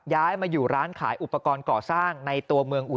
ย้ายมาอยู่ร้านขายอุปกรณ์ก่อสร้างในตัวเมืองอุ